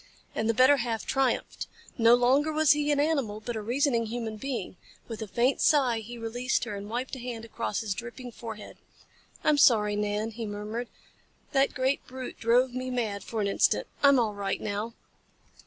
And the better half triumphed. No longer was he an animal, but a reasoning human being. With a faint sigh he released her and wiped a hand across his dripping forehead. "I'm sorry, Nan," he murmured. "That great brute drove me mad for an instant. I'm all right now."